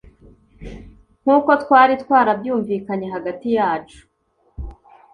nk’uko twari twarabyumvikanye hagati yacu